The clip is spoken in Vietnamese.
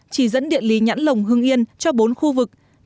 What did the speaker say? chỉ dẫn địa lý nhãn lồng hưng yên cho bốn khu vực